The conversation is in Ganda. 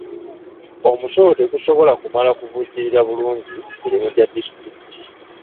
Omusolo tegusobola kumala kuvujjirira bulungi mirimu gya disitulikiti.